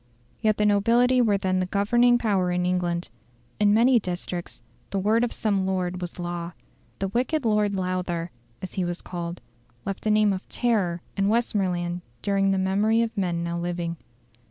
Yet the nobility were then the governing power in England. In many districts the word of some lord was law. The "wicked Lord Lowther," as he was called, left a name of terror in Westmoreland during the memory of men now living.